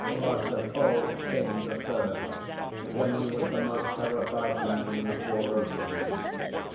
Last of all came the third, when he was the most terrified man in the four oceans.